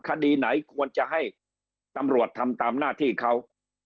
คดีไหนควรจะให้ตำรวจทำตามหน้าที่เขา